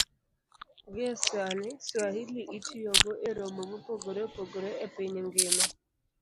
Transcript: Gie sani, Swahili itiyogo e romo mopogore opogore e piny ngima